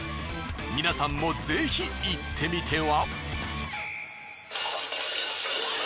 皆さんもぜひ行ってみては？